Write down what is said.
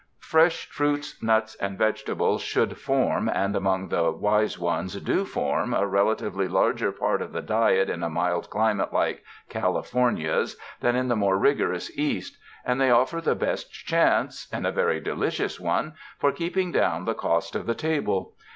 Fresh fruits, nuts and vegetables should form, and among the wise ones do form, a relatively larger part of the diet in a mild climate like Cali fornia's than in the more rigorous East, and they offer the best chance — and a very delicious one — for keeping down the cost of the table.